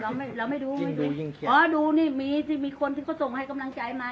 เราไม่ดูดูนี่ว่ามีคนที่ส่งกำลังใจมา